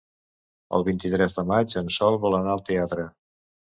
El vint-i-tres de maig en Sol vol anar al teatre.